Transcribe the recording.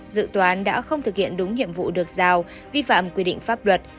dự toán đã không thực hiện đúng nhiệm vụ được giao vi phạm quy định pháp luật